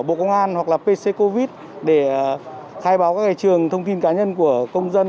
vnid của bộ công an hoặc là pc covid để khai báo các trường thông tin cá nhân của công dân